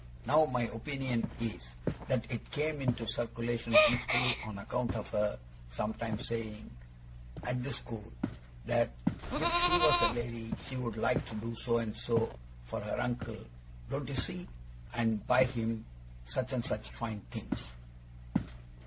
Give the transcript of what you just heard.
Now my opinion is, that it came into circulation principally on account of her sometimes saying, at the school, that if she was a lady she would like to do so and so for her uncle don't you see? and buy him such and such fine things.